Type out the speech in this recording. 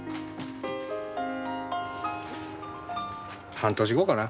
半年後かな。